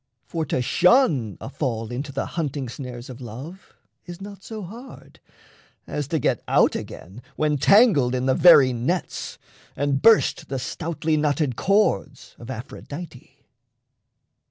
For to shun A fall into the hunting snares of love Is not so hard, as to get out again, When tangled in the very nets, and burst The stoutly knotted cords of Aphrodite.